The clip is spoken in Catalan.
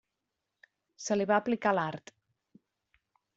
Se li va aplicar l'art.